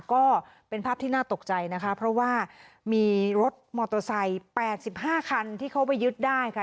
ก็เป็นภาพที่น่าตกใจนะคะเพราะว่ามีรถมอเตอร์ไซค์๘๕คันที่เขาไปยึดได้ค่ะ